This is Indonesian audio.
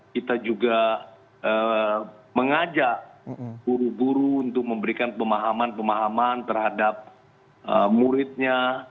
kita juga mengajak guru guru untuk memberikan pemahaman pemahaman terhadap muridnya